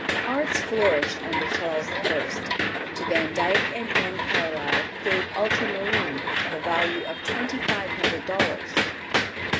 Arts flourished under Charles I. To Vandyck and Anne Carlisle he gave ultra marine to the value of twenty five hundred dollars.